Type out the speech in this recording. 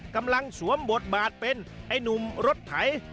สวมบทบาทเป็นไอ้หนุ่มรถไถ